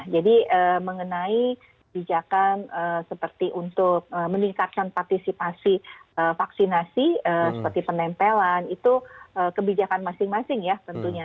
jadi mengenai kebijakan seperti untuk meningkatkan partisipasi vaksinasi seperti penempelan itu kebijakan masing masing ya tentunya